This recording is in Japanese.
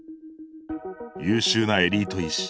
優秀なエリート医師。